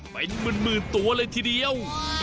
เป็นหมื่นตัวเลยทีเดียว